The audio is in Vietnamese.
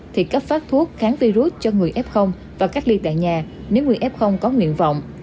thì cấp phát thuốc kháng virus cho người f và cách ly tại nhà nếu người f có nguyện vọng